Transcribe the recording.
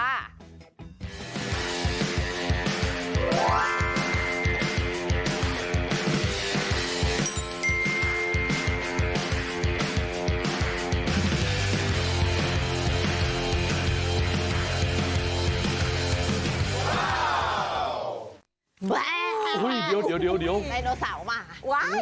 โหหุ้ยเดี๋ยวดิโนเซามา